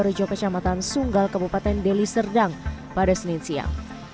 rejo kecamatan sunggal kabupaten deli serdang pada senin siang